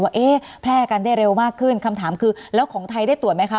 ว่าเอ๊ะแพร่กันได้เร็วมากขึ้นคำถามคือแล้วของไทยได้ตรวจไหมคะ